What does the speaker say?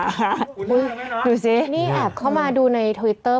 คุณดูแล้วไหมนะดูสินี่แอบเข้ามาดูในทวิตเตอร์